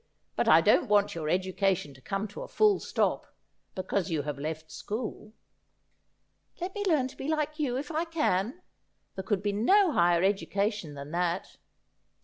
But I don't want your education to come to a full stop, because you have left school.' ' Let me learn to be like you, if I can. There could be no higher education than that.'